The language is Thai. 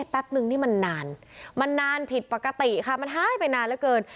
แป๊บนึงนี่มันนานมันนานผิดปกติค่ะมันหายไปนานเหลือเกิน